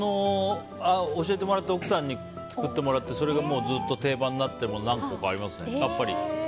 教えてもらって奥さんに作ってもらってそれがずっと定番になっているものは何個かありますね。